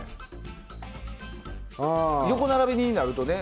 横並びになるとね。